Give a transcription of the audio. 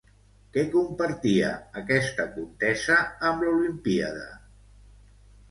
Què compartia aquesta contesa amb l'Olimpíada?